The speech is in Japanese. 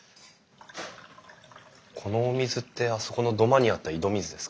このお水ってあそこの土間にあった井戸水ですか？